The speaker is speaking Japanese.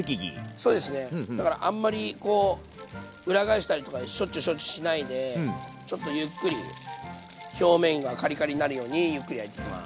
だからあんまりこう裏返したりとかしょっちゅうしょっちゅうしないでちょっとゆっくり表面がカリカリになるようにゆっくり焼いていきます。